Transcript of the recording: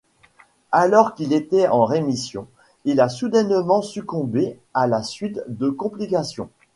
Alors qu'il était en rémission, il a soudainement succombé à la suite de complications.